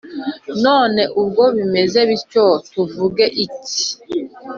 None ubwo bimeze bityo tuvuge iki